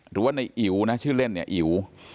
หรือว่าในอิ๋วนะชื่อเล่นเนี่ยอิ๋ว